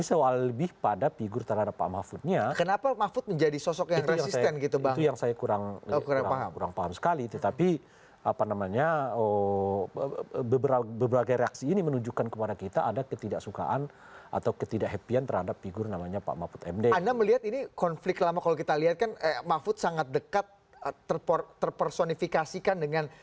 jelang penutupan pendaftaran